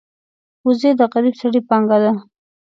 وزې د غریب سړي پانګه ده